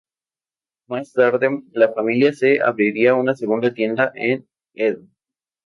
Más tarde, la familia se abriría una segunda tienda en Edo.